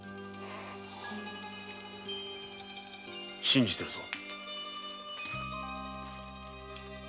信じているぞ。